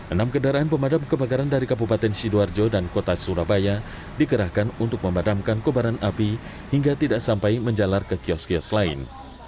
enam kendaraan pemadam kebakaran dari kabupaten sidoarjo dan kota surabaya dikerahkan untuk memadamkan kobaran api hingga tidak sampai menjalar ke kios kios lain